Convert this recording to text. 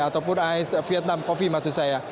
ataupun vietnam coffee maksud saya